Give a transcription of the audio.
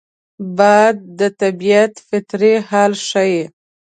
باد د طبیعت فطري حال ښيي